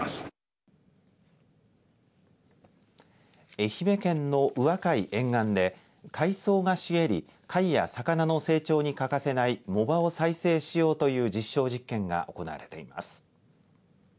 愛媛県の宇和海沿岸で海藻が茂り貝や魚の成長に欠かせない藻場を再生しようという実証実験が行われています。